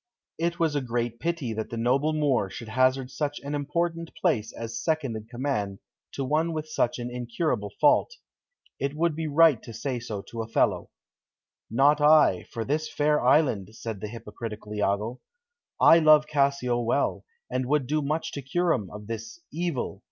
It was a great pity that the noble Moor should hazard such an important place as second in command to one with such an incurable fault. It would be right to say so to Othello. "Not I, for this fair island," said the hypocritical Iago. "I love Cassio well, and would do much to cure him of this, evil.